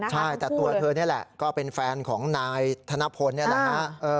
ใช่แต่ตัวเธอนี่แหละก็เป็นแฟนของนายธนพลนี่แหละฮะ